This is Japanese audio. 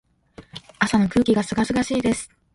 朝の空気が清々しいです。